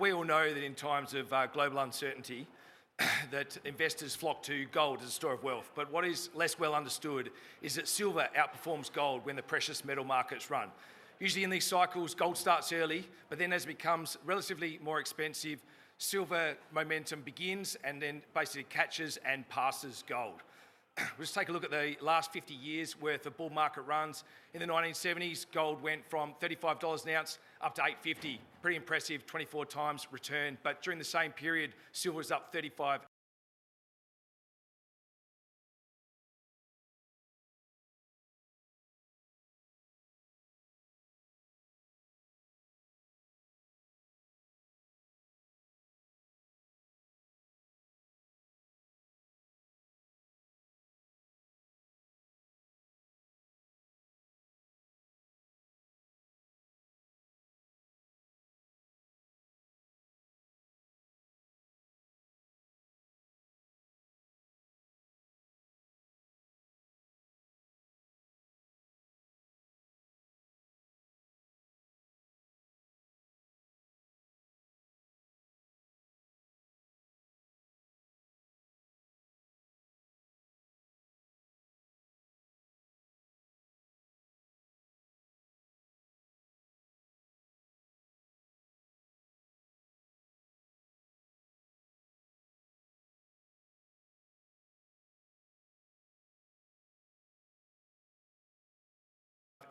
We all know that in times of global uncertainty, investors flock to gold as a store of value. What is less well understood is that silver outperforms gold when the precious metals bull market runs. Usually, in these cycles, gold starts early, but then as it becomes relatively more expensive, silver momentum begins and basically catches and passes gold. Let's take a look at the last 50 years' worth of bull market runs. In the 1970s, gold went from $35 an ounce up to $850. Pretty impressive, 24 times return. During the same period, silver was up 35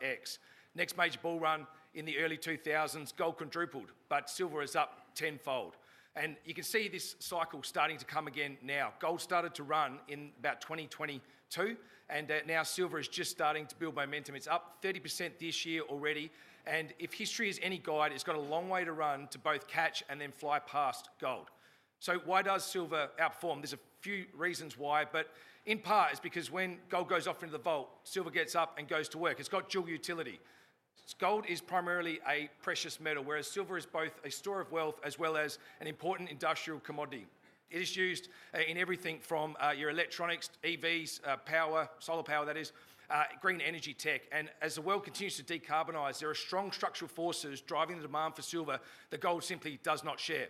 times. (No Audio) Next major bull run in the early 2000s, gold quadrupled, but silver was up tenfold. You can see this cycle starting to come again now. Gold started to run in about 2022, and now silver is just starting to build momentum. It's up 30% this year already. If history is any guide, it's got a long way to run to both catch and then fly past gold. Why does silver outperform? There are a few reasons why, but in part, it's because when gold goes off into the vault, silver gets up and goes to work. It's got dual utility. Gold is primarily a precious metal, whereas silver is both a store of value as well as an important industrial commodity. It is used in everything from your electronics, EVs, power, solar power, that is, green energy tech. As the world continues to decarbonize, there are strong structural forces driving the demand for silver that gold simply does not share.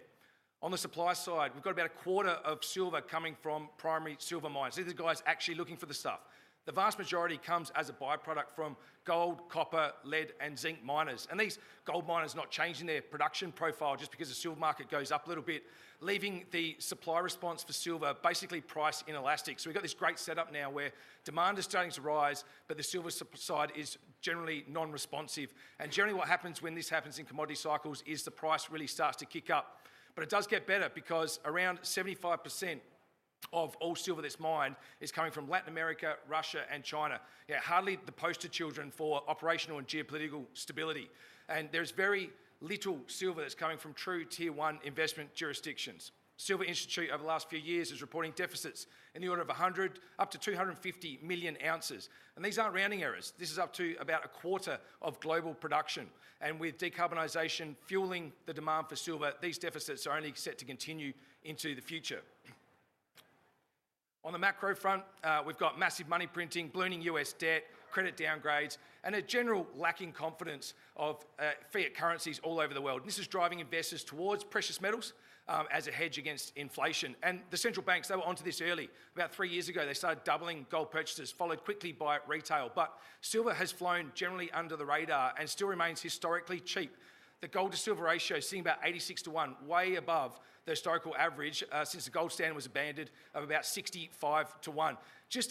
On the supply side, we've got about a quarter of silver coming from primary silver miners. These are the companies actually looking for the stuff. The vast majority comes as a byproduct from gold, copper, lead, and zinc miners. These gold miners are not changing their production profile just because the silver market goes up a little bit, leaving the supply response for silver basically price inelastic. We've got this great setup now where demand is starting to rise, but the silver side is generally non-responsive. Generally, what happens when this occurs in commodity cycles is the price really starts to kick up. It does get better because around 75% of all silver that's mined is coming from Latin America, Russia, and China. These are hardly the poster children for operational and geopolitical stability. There is very little silver that's coming from true tier one jurisdiction. The Silver Institute over the last few years is reporting deficits in the order of 100 up to 250 million ounces. These aren't rounding errors. This is up to about a quarter of global production. With decarbonization fueling the demand for silver, these deficits are only set to continue into the future. On the macro front, we've got massive money printing, ballooning U.S. debt, credit downgrades, and a general lack of confidence in fiat currencies all over the world. This is driving investors towards precious metals as a hedge against inflation. The central banks were onto this early. About three years ago, they started doubling gold purchases, followed quickly by retail. Silver has flown generally under the radar and still remains historically cheap. The gold-to-silver price ratio is seeing about 86 to 1, way above the historical average since the gold standard was abandoned of about 65 to 1.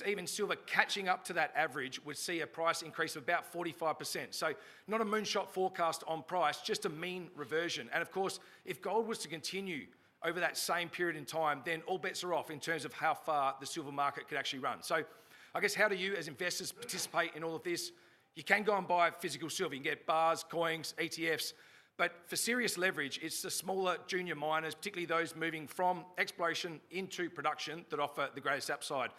Even silver just catching up to that average would see a price increase of about 45%. This is not a moonshot forecast on price, just a mean reversion. Of course, if gold was to continue over that same period in time, then all bets are off in terms of how far the silver market could actually run. I guess how do you as investors participate in all of this? You can go and buy physical silver. You can get bars, coins, ETFs. For serious leverage, it's the smaller junior miners, particularly those moving from exploration into production, that offer the greatest upside.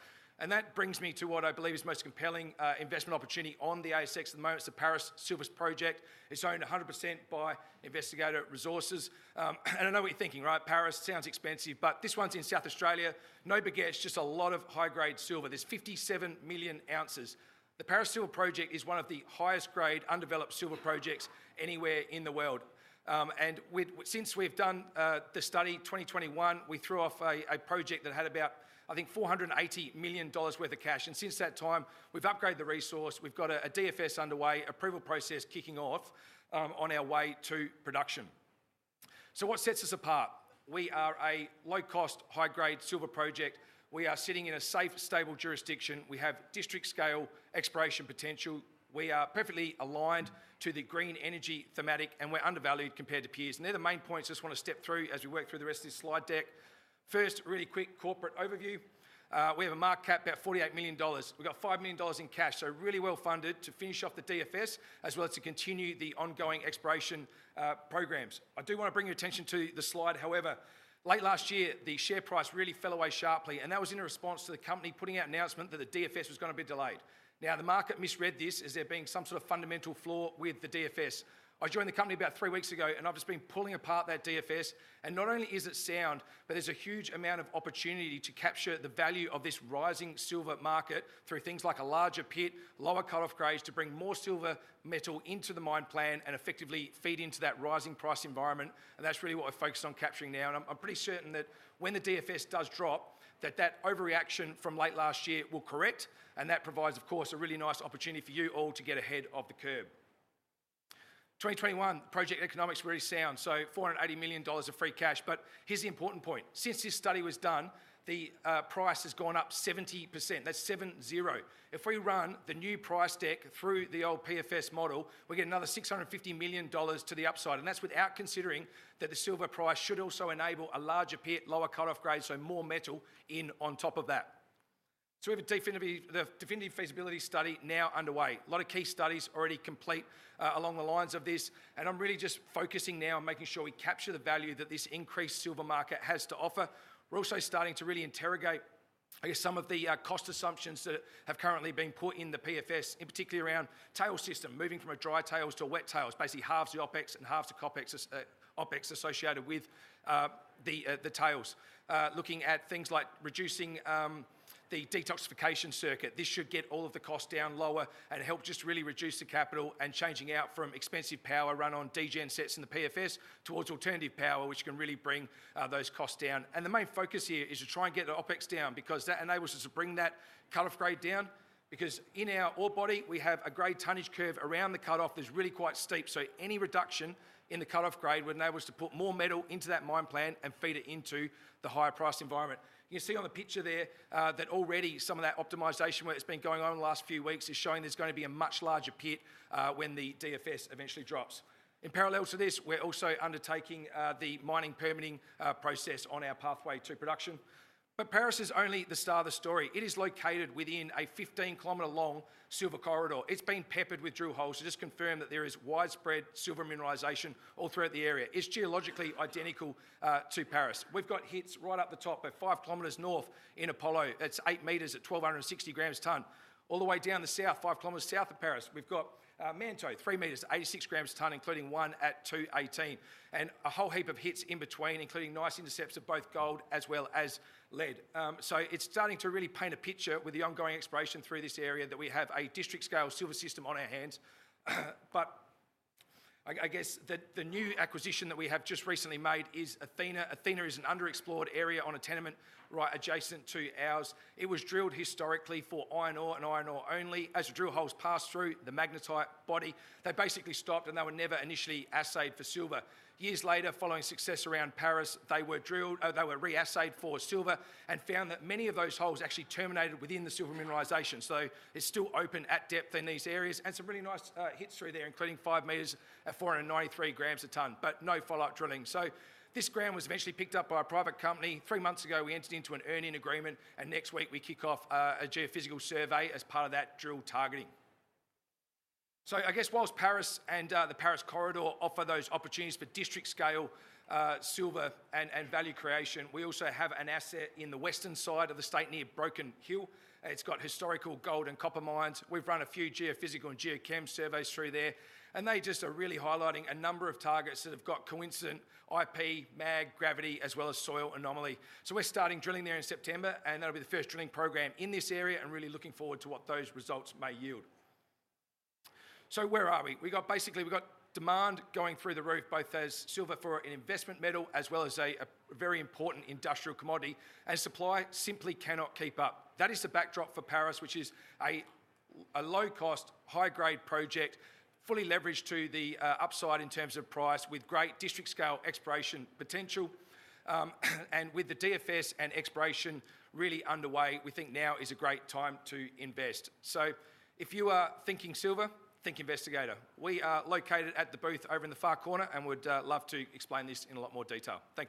That brings me to what I believe is the most compelling investment opportunity on the ASX at the moment. It's the Paris Silver Project. It's owned 100% by Investigator Resources. I know what you're thinking, right? Paris sounds expensive, but this one's in South Australia. No baguette, just a lot of high-grade silver. There's 57 million ounces. The Paris Silver Project is one of the highest-grade undeveloped silver projects anywhere in the world. Since we've done the study in 2021, we threw off a project that had about, I think, $480 million worth of cash. Since that time, we've upgraded the resource. We've got a Definitive Feasibility Study underway, approval process kicking off on our way to production. What sets us apart? We are a low-cost, high-grade silver project. We are sitting in a safe, stable jurisdiction. We have district scale exploration potential. We are perfectly aligned to the green energy thematic, and we're undervalued compared to peers. They're the main points I just want to step through as we work through the rest of this slide deck. First, really quick corporate overview. We have a market cap about $48 million. We've got $5 million in cash, so really well funded to finish off the DFS as well as to continue the ongoing exploration programs. I do want to bring your attention to the slide. However, late last year, the share price really fell away sharply. That was in a response to the company putting out an announcement that the DFS was going to be delayed. The market misread this as there being some sort of fundamental flaw with the DFS. I joined the company about three weeks ago, and I've just been pulling apart that DFS. Not only is it sound, but there's a huge amount of opportunity to capture the value of this rising silver market through things like a larger pit, lower cut-off grades to bring more silver metal into the mine plan and effectively feed into that rising price environment. That's really what we're focused on capturing now. I'm pretty certain that when the DFS does drop, that overreaction from late last year will correct. That provides, of course, a really nice opportunity for you all to get ahead of the curve. The 2021 project economics were really sound. $480 million of free cash. Here's the important point. Since this study was done, the price has gone up 70%. That's 7-0. If we run the new price deck through the old PFS model, we get another $650 million to the upside. That's without considering that the silver price should also enable a larger pit, lower cut-off grade, so more metal in on top of that. We have a Definitive Feasibility Study now underway. A lot of key studies already complete along the lines of this. I'm really just focusing now on making sure we capture the value that this increased silver market has to offer. We're also starting to really interrogate, I guess, some of the cost assumptions that have currently been put in the PFS, in particular around tailings system, moving from a dry tailings to a wet tailings, basically halves the OpEx and halves the CapEx associated with the tailings. Looking at things like reducing the detoxification circuit, this should get all of the costs down lower and help just really reduce the capital and changing out from expensive power run on diesel gensets in the PFS towards alternative power, which can really bring those costs down. The main focus here is to try and get the OpEx down because that enables us to bring that cut-off grade down. Because in our ore body, we have a grade tonnage curve around the cut-off that's really quite steep. Any reduction in the cut-off grade would enable us to put more metal into that mine plan and feed it into the higher price environment. You can see on the picture there that already some of that optimization work that's been going on in the last few weeks is showing there's going to be a much larger pit when the Definitive Study eventually drops. In parallel to this, we're also undertaking the mining permitting process on our pathway to production. Paris is only the start of the story. It is located within a 15-kilometer long silver corridor. It's been peppered with drill holes to just confirm that there is widespread silver mineralization all throughout the area. It's geologically identical to Paris. We've got hits right up the top, about five kilometers north in Apollo. That's eight meters at 1,260 grams a ton. All the way down the south, five kilometers south of Paris, we've got Manto, three meters, 86 grams a ton, including one at 218. There are a whole heap of hits in between, including nice intercepts of both gold as well as lead. It's starting to really paint a picture with the ongoing exploration through this area that we have a district-scale silver system on our hands. The new acquisition that we have just recently made is Athena. Athena is an underexplored area on a tenement right adjacent to ours. It was drilled historically for iron ore and iron ore only. As the drill holes passed through the magnetite body, they basically stopped and they were never initially assayed for silver. Years later, following success around Paris, they were drilled, they were reassayed for silver and found that many of those holes actually terminated within the silver mineralization. It's still open at depth in these areas and some really nice hits through there, including five meters at 493 grams a ton, but no follow-up drilling. This ground was eventually picked up by a private company. Three months ago, we entered into an earn-in agreement and next week we kick off a geophysical survey as part of that drill targeting. Whilst Paris and the Paris corridor offer those opportunities for district-scale silver and value creation, we also have an asset in the western side of the state near Broken Hill. It's got historical gold and copper mines. We've run a few geophysical and geochem surveys through there. They are really highlighting a number of targets that have got coincident IP, mag, gravity, as well as soil anomaly. We're starting drilling there in September and that'll be the first drilling program in this area. Really looking forward to what those results may yield. Where are we? We got basically, we got demand going through the roof both as silver for an investment metal as well as a very important industrial commodity, and supply simply cannot keep up. That is the backdrop for Paris, which is a low-cost, high-grade project, fully leveraged to the upside in terms of price with great district-scale exploration potential. With the Definitive Feasibility Study and exploration really underway, we think now is a great time to invest. If you are thinking silver, think Investigator. We are located at the booth over in the far corner and would love to explain this in a lot more detail. Thank you.